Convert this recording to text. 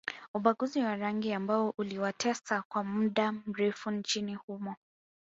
Ubaguzi wa rangi ambao uliwatesa kwa mda mrefu nchini humo